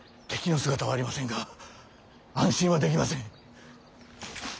敵の姿はありませんが安心はできません。